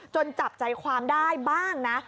จับใจความได้บ้างนะ